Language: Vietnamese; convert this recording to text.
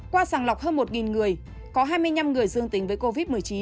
qua sàng lọc hơn một người có hai mươi năm người dương tính với covid một mươi chín